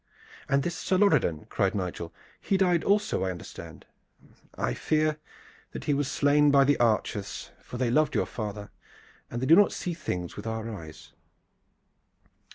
"And this Sir Lorredan," cried Nigel, "he died also, as I understand?" "I fear that he was slain by the archers, for they loved your father, and they do not see these things with our eyes."